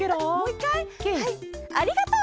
はい「ありがとう！」。